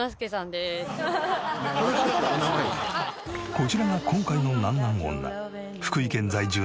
こちらが今回のなんなん女。